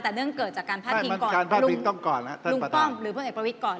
แต่เนื่องเกิดจากการพาดพิงก่อนลุงป้อมหรือพลเอกประวิทย์ก่อน